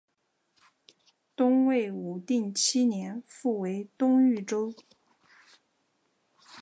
东魏武定七年复为东豫州。